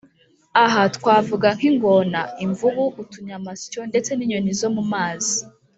aha twavuga nk’ingona, imvubu, utunyamasyo ndetse n’inyoni zo mu mazi.